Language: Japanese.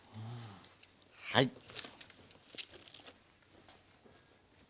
はい。